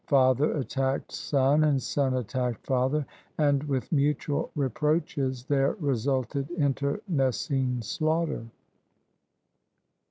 Father attacked son, and son attacked father, and with mutual reproaches there resulted internecine slaughter.